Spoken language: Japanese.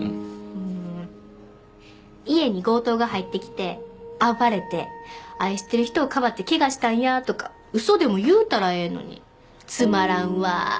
うーん家に強盗が入ってきて暴れて愛してる人をかばってケガしたんやとかウソでも言うたらええのにつまらんわ